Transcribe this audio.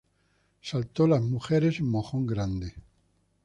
Salto Las Mujeres en Mojón Grande.